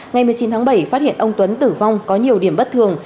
ngày một mươi chín tháng bảy phát hiện ông tuấn tử vong có nhiều điểm bất thường